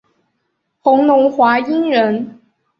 弘农华阴人。